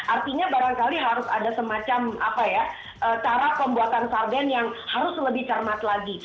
artinya barangkali harus ada semacam cara pembuatan sarden yang harus lebih cermat lagi